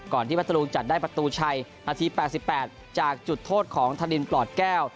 ก่อนที่พระตรุงจัดได้ประตูชัยวันที่๘๘จากจุดโทษของทะลินปลอดแก้ว